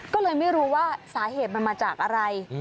ก็เลยไม่รู้ว่าสาเหตุมันมาจากอะไร